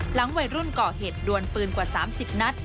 หลังวัยรุ่นก่อเหตุดวนปืนกว่า๓๐นัด